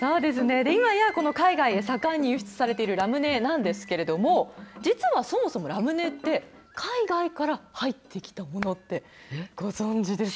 今やこの海外で盛んに輸出されているラムネなんですけれども実はそもそもラムネって海外から入ってきたものってご存じですか。